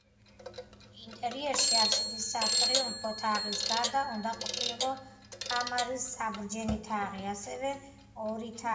ინტერიერში აბსიდის სატრიუმფო თაღის გარდა უნდა ყოფილიყო კამარის საბრჯენი თაღი, ასევე ორი თაღი.